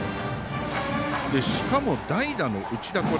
しかも、代打の内田。